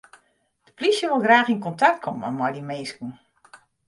De plysje wol graach yn kontakt komme mei dy minsken.